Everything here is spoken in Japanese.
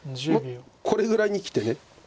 これぐらいにきて。